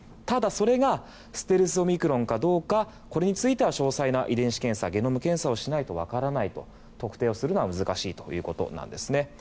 ただ、それがステルスオミクロンかどうかこれについては詳細なゲノム検査をしないと分からない、特定するのは難しいということです。